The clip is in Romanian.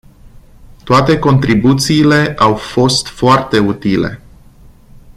Toate contribuțiile au fost foarte utile.